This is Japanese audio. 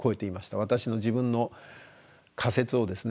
私の自分の仮説をですね